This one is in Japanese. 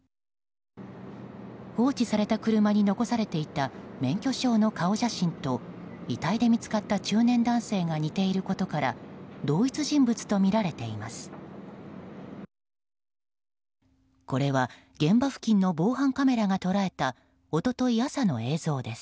放置された車に残されていた免許証の顔写真と遺体で見つかった中年男性が似ていることから同一人物とみられています。